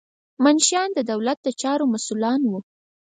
منشیان د دولت د چارو مسؤلان وو.